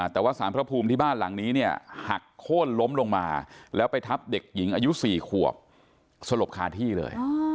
แต่ว่าสารพระภูมิที่บ้านหลังนี้เนี่ยหักโค้นล้มลงมาแล้วไปทับเด็กหญิงอายุ๔ขวบสลบคาที่เลย